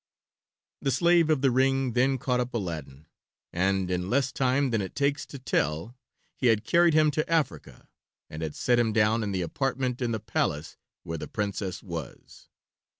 The slave of the ring then caught up Aladdin, and in less time than it takes to tell he had carried him to Africa and had set him down in the apartment in the palace where the Princess was.